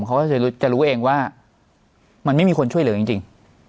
เขาก็จะรู้เองว่ามันไม่มีคนช่วยเหลือจริง